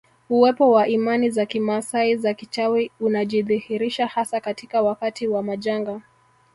Uwepo wa imani za kimaasai za kichawi unajidhihirisha hasa katika wakati wa majanga